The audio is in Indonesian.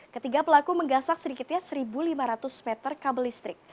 ketiga pelaku menggasak sedikitnya satu lima ratus meter kabel listrik